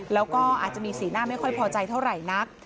แล้วก็อาจจะมีสีหน้าไม่ค่อยพอใจเท่าไหร่นัก